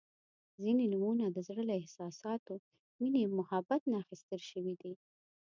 • ځینې نومونه د زړۀ له احساساتو، مینې او محبت نه اخیستل شوي دي.